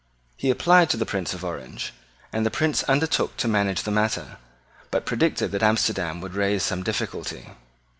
He applied to the Prince of Orange; and the prince undertook to manage the matter, but predicted that Amsterdam would raise some difficulty.